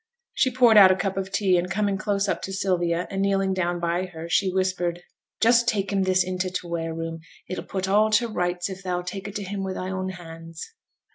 She poured out a cup of tea, and coming close up to Sylvia, and kneeling down by her, she whispered, 'Just take him this into t' ware room; it'll put all to rights if thou'll take it to him wi' thy own hands.'